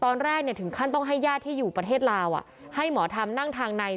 ตอนแรกเนี่ยถึงขั้นต้องให้ญาติที่อยู่ประเทศลาวให้หมอทำนั่งทางใน